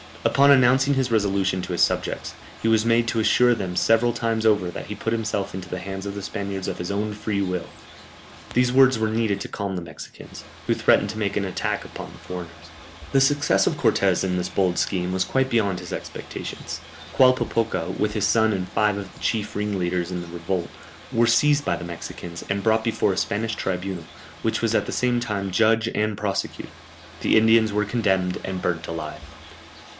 Upon announcing his resolution to his subjects, he was made to assure them several times over that he put himself into the hands of the Spaniards of his own free will; these words were needed to calm the Mexicans, who threatened to make an attack upon the foreigners. The success of Cortès in this bold scheme was quite beyond his expectations. Qualpopoca, with his son and five of the chief ringleaders in the revolt, were seized by the Mexicans, and brought before a Spanish tribunal, which was at the same time judge and prosecutor; the Indians were condemned and burnt alive.